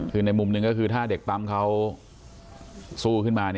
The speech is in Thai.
คือในมุมหนึ่งก็คือถ้าเด็กปั๊มเขาสู้ขึ้นมา